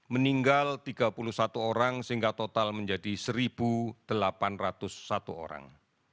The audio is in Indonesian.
meninggal tiga puluh satu orang sehingga total menjadi satu delapan ratus satu orang